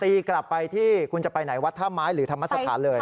ตีกลับไปที่คุณจะไปไหนวัดท่าม้ายหรือธรรมศาสตร์เลย